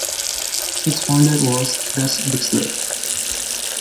Its founder was Russ Bixler.